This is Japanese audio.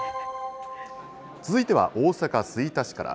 続いては大阪・吹田市から。